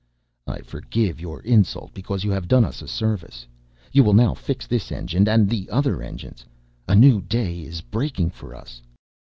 "I forgive your insult because you have done us a service. You will now fix this engine and the other engines. A new day is breaking for us!"